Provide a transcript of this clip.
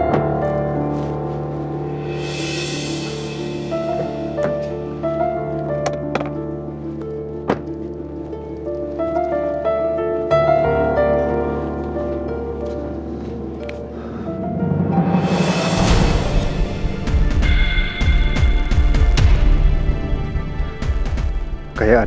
andin sedang mengambil makanan